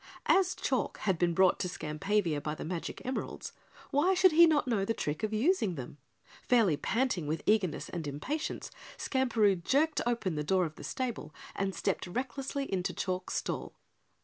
As Chalk had been brought to Skampavia by the magic emeralds, why should he not know the trick of using them? Fairly panting with eagerness and impatience, Skamperoo jerked open the door of the stable and stepped recklessly into Chalk's stall.